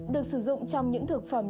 được sử dụng trong những thực phẩm